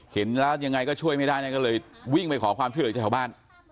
เห็นแล้วยังไงก็ช่วยไม่ได้ก็เลยวิ่งไปขอความช่วยเหลือจากชาวบ้าน